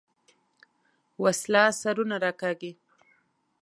وسله سرونه راکاږي